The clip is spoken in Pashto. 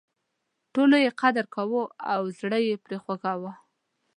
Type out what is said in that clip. ټولو یې قدر کاوه او زړه یې پر خوږاوه.